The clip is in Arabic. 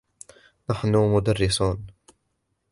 نحن مدرسون.